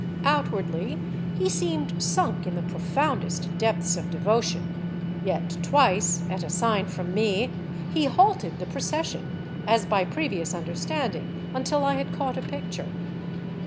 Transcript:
Outwardly he seemed sunk in the profoundest depths of devotion, yet twice, at a sign from me, he halted the proces sion, as by previous understanding, until I had caught a picture.